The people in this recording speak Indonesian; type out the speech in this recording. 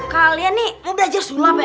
kalian nih mau belajar sulap ya